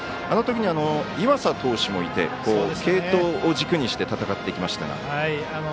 あのときには、ほかの投手もいて継投を軸にして戦っていましたが。